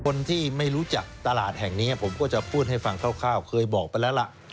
คนที่ไม่รู้จักตลาดแห่งนี้ผมก็จะพูดให้ฟังคร่าวเคยบอกไปแล้วล่ะ